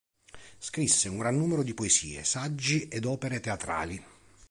Scrisse un gran numero di poesie, saggi ed opere teatrali.